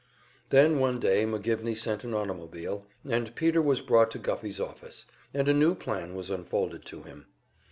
Then one day McGivney sent an automobile, and Peter was brought to Guffey's office, and a new plan was unfolded to him.